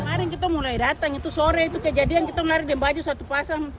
kemarin kita mulai datang itu sore itu kejadian kita lari di baju satu pasang